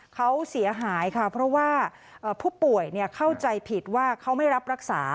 เขาเสียหายค่ะเพราะว่าผู้ป่วยเข้าใจผิดว่าเขาไม่รับรักษา